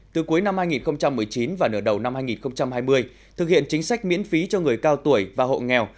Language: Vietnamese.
từ cuối năm hai nghìn một mươi chín và nửa đầu năm hai nghìn hai mươi thực hiện chính sách miễn phí cho người cao tuổi và hộ nghèo